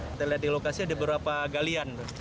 kita lihat di lokasi ada beberapa galian